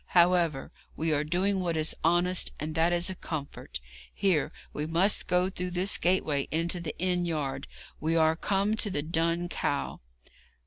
However, we are doing what is honest, and that is a comfort. Here, we must go through this gateway into the inn yard; we are come to the Dun Cow.'